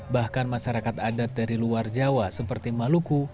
bahkan masyarakat adat dari luar jawa seperti maluku